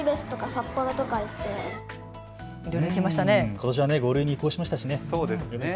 ことしは５類に移行しましたしね。